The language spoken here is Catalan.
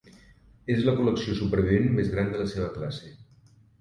És la col·lecció supervivent més gran de la seva classe.